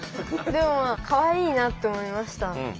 でもかわいいなって思いました。